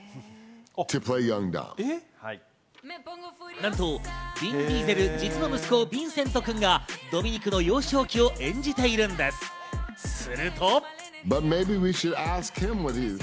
なんとヴィン・ディーゼル、実の息子ヴィンセント君がドミニクの幼少期を演じているんです。